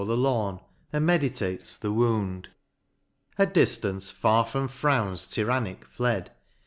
Trips o'er the lawn, and meditates the wound. At diftance far from frowns tyrannic fled.